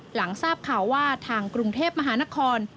หลังทราบข่าวว่าทางกรุงเทพมหานคร